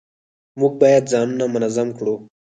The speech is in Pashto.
موږ باید ځانونه منظم کړو